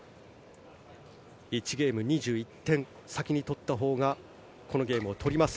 １ゲーム２１点先に取ったほうがこのゲームを取ります。